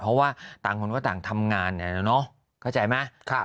เพราะว่าต่างคนก็ต่างทำงานเนี่ยเนี่ยเนอะเข้าใจไหม